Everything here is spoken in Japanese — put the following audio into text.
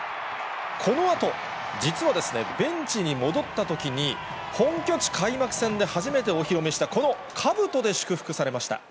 このあと、実はですね、ベンチに戻ったときに、本拠地開幕戦で初めてお披露目した、このかぶとで祝福されました。